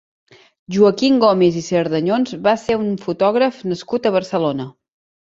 Joaquim Gomis i Serdañons va ser un fotògraf nascut a Barcelona.